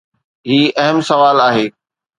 هي اهم سوال آهي.